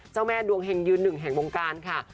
เจ้าแม่ดวงเฮงยืนหนึ่งแห่งวงการค่ะ